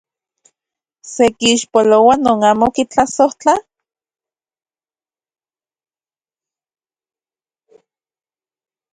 ¿Se kixpoloa non amo kitlasojtla?